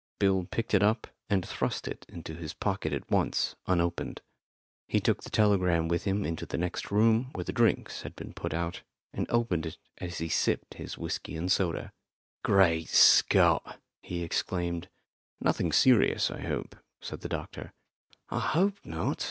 Bill picked it up, and thrust it into his pocket at once, unopened. He took the telegram with him into the room where the drinks had been put out, and opened it as he sipped his whisky and soda. "Great Scot!" he exclaimed. "Nothing serious, I hope," said the doctor. "I hope not.